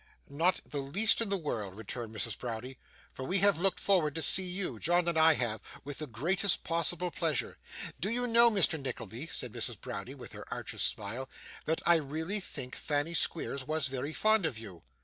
'Not the least in the world,' returned Mrs. Browdie; 'for we have looked forward to see you John and I have with the greatest possible pleasure. Do you know, Mr. Nickleby,' said Mrs. Browdie, with her archest smile, 'that I really think Fanny Squeers was very fond of you?